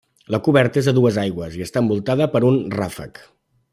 La coberta és a dues aigües i està envoltada per un ràfec.